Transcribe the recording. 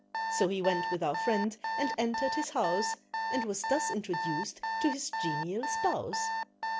So he went with our friend and entered his house, And was thus introduced to his genial spouse.